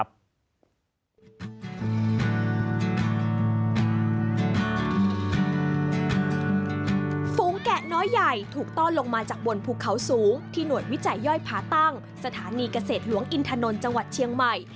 ฝูงแกงแกะน้อยใหญ่ถูกต้อนลงมาจากบนภูเขาสูงที่หน่วยวิจัยย่อยผาตั้งสถานีเกษตรหลวงอินทนนท์จังหวัดเชียงใหม่